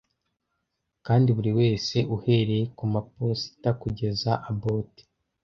kandi buriwese uhereye kumaposita kugeza abot